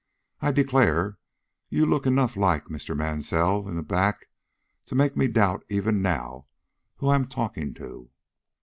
I declare you look enough like Mr. Mansell in the back to make me doubt even now who I am talking to."